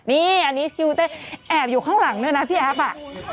นี่อันนี้สกิลเต้แอบอยู่ข้างหลังด้วยนะพี่แอฟอ่ะ